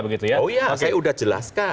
oh iya saya sudah jelaskan